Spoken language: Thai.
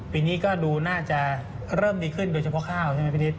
ปีนี้ก็ดูน่าจะเริ่มดีขึ้นโดยเฉพาะข้าวใช่ไหมพี่นิด